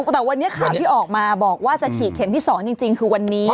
แต่วันนี้ข่าวที่ออกมาบอกว่าจะฉีดเข็มที่๒จริงคือวันนี้